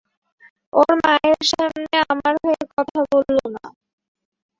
ওর মায়ের সামনে আমার হয়ে কথা বললো না।